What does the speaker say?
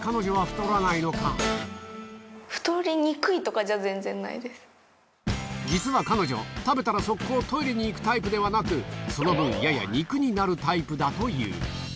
太りにくいとかじゃ全然ない実は彼女、食べたら即行トイレに行くタイプではなく、その分、やや肉になるタイプだという。